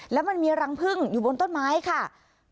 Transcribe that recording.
แล้วมันมีรังพึ่งอยู่บนต้นไม้ค่ะ